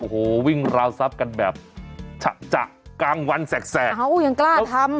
โอ้โหวิ่งราวทรัพย์กันแบบจักจักกางวันแสกแสกอ้าวยังกล้าทำ